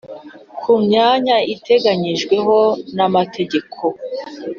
ku myanya iteganyijweho n amategeko